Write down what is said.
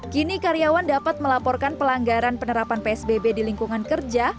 kini karyawan dapat melaporkan pelanggaran penerapan psbb di lingkungan kerja